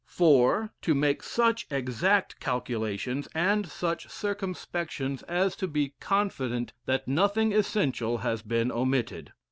"4. To make such exact calculations, and such circumspections as to be confident that nothing essential has been omitted.